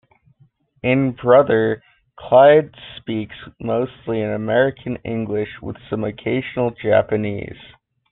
In "Brother", Claude speaks mostly in American-English with some occasional Japanese.